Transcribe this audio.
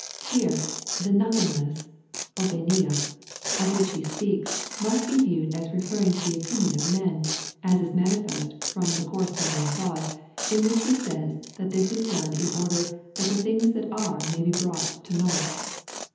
Here, the nothingness (ovSeveta) of which he speaks must be viewed as referring to the opinion of men, as is manifest from the corresjionding clause, in which he sajs that this is done in order that the things that are may be brought to nought.